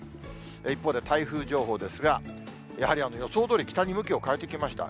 一方で、台風情報ですが、やはり予想どおり、北に向きを変えてきました。